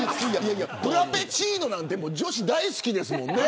フラペチーノなんて女子大好きですもんね。